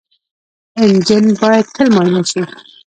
انجن باید تل معاینه شي.